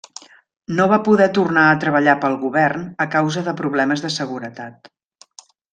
No va poder tornar a treballar pel govern a causa de problemes de seguretat.